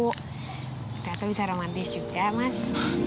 ternyata bisa romantis juga mas